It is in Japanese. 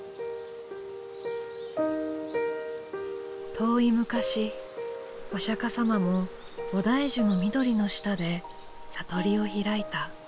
遠い昔お釈様も菩提樹の緑の下で悟りを開いた。